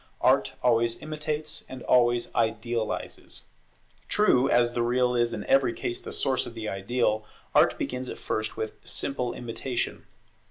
Art always imitates, and always idealizes. True, as the real is in every case the source of the ideal, Art begins at first with simple Imitation.